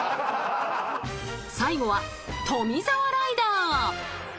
最後は、富澤ライダー。